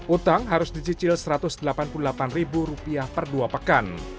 utang harus dicicil satu ratus delapan puluh delapan ribu rupiah per dua pekan